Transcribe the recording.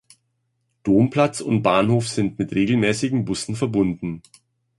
Domplatz und Bahnhof sind mit regelmäßigen Bussen verbunden.